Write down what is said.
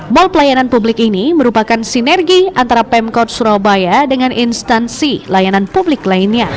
mal pelayanan publik ini merupakan sinergi antara pemkot surabaya dengan instansi layanan publik lainnya